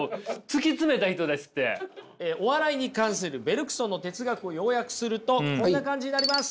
お笑いに関するベルクソンの哲学を要約するとこんな感じになります。